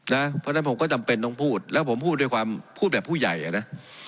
เพราะฉะนั้นผมก็จำเป็นต้องพูดแล้วผมพูดด้วยความพูดแบบผู้ใหญ่อ่ะนะ